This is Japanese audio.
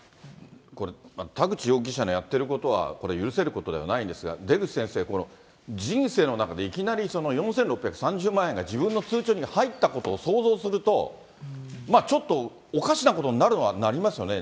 これ、田口容疑者のやっていることは、これ許せることではないんですが、出口先生、人生の中で、いきなり４６３０万円が自分の通帳に入ったことを想像すると、まあちょっとおかしなことになるのはなりますよね。